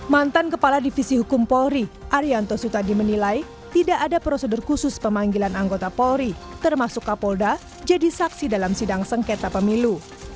mantan kepala divisi hukum polri arianto sutadi menilai tidak ada prosedur khusus pemanggilan anggota polri termasuk kapolda jadi saksi dalam sidang sengketa pemilu